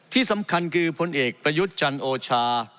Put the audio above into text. ที่สำคัญคือพลเอกประยุทธ์จันโอชา